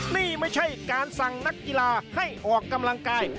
นี่ไม่ใช่การสั่งนักกีฬาให้ออกกำลังกาย